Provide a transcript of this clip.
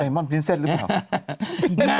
ไอมอนพริ้นเซตหรือเปล่า